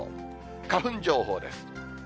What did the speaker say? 花粉情報です。